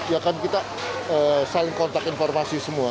ya kan kita saling kontak informasi semua